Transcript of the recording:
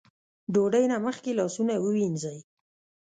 ډوډۍ نه مخکې لاسونه ووينځئ ـ